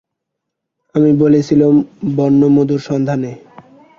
আমি বলেছিলুম, বন্য মধুর সন্ধানে।